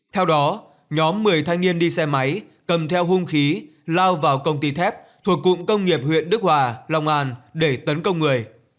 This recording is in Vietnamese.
theo đó nhóm một mươi thanh niên đi xe máy cầm theo hung khí lao vào công ty thép thuộc cụm công nghiệp huyện đức hòa long an để tấn công người